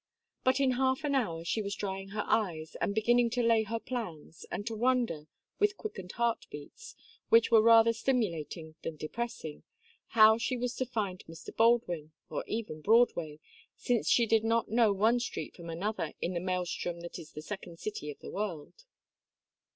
But in half an hour she was drying her eyes, and beginning to lay her plans, and to wonder, with quickened heart beats, which were rather stimulating than depressing, how she was to find Mr. Baldwin, or even Broadway, since she did not know one street from another in the maelstrom that is the second city of the world.